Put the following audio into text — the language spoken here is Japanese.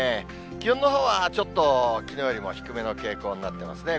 気温のほうはちょっときのうよりも低めの傾向になってますね。